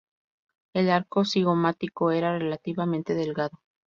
El arco cigomático era relativamente delgado.